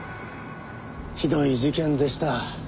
ひどい事件でした。